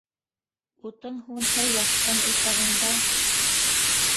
Утың һүнһә яҡҡан усағыңда